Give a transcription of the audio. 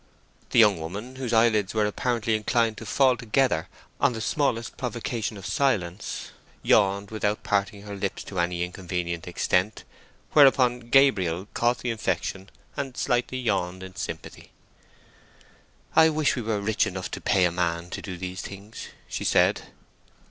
The young woman, whose eyelids were apparently inclined to fall together on the smallest provocation of silence, yawned without parting her lips to any inconvenient extent, whereupon Gabriel caught the infection and slightly yawned in sympathy. "I wish we were rich enough to pay a man to do these things," she said.